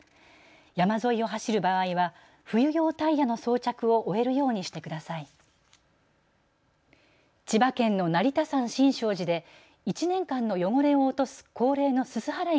山沿いを走る場合は冬用タイヤの装着を終えるようにしてください。